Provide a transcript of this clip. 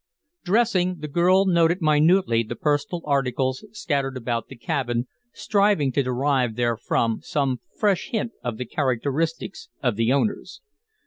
Dressing, the girl noted minutely the personal articles scattered about the cabin, striving to derive therefrom some fresh hint of the characteristics of the owners.